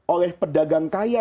oleh pedagang kaya